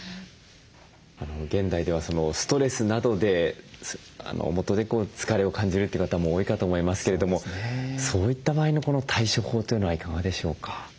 現代ではストレスなどでもとで疲れを感じるって方も多いかと思いますけれどもそういった場合の対処法というのはいかがでしょうか？